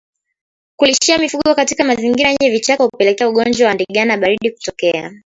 Kulishia mifugo katika mazingira yenye vichaka hupelekea ugonjwa wa ndigana baridi kutokea